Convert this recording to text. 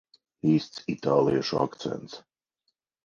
Īsts itāliešu akcents.